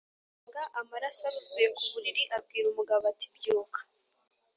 asanga amaraso aruzuye ku buriri. Abwira umugabo ati "Byuka